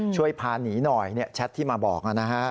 ช่วยพาหนีหน่อยแชทที่มาบอกนะฮะ